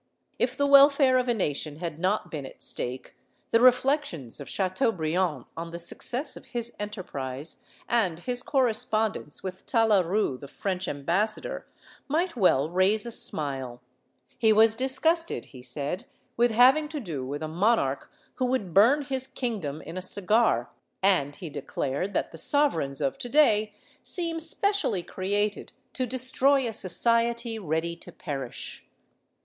^ If the welfare of a nation had not been at stake, the reflections of Chateaubriand on the success of his enterprise, and his corre spondence with Talaru, the French ambassador, might well raise a smile. He was disgusted, he said, with having to do with a monarch who would burn his kingdom in a cigar, and he declared that the sovereigns of today seem specially created to destroy a society ready to perish.